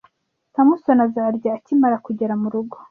Samusoni azarya akimara kugera murugo.